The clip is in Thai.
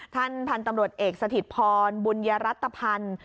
ท่านพันธุ์ตำรวจเอกสถิตพรบุญยรัตภัณฑ์